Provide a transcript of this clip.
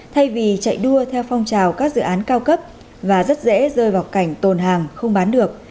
thay vì chạy đua theo phong trào các dự án cao cấp và rất dễ rơi vào cảnh tồn hàng không bán được